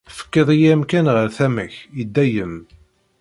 Tefkiḍ-iyi amkan ɣer tama-k, i dayem.